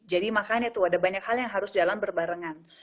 jadi makanya ada banyak hal yang harus berjalan berbarengan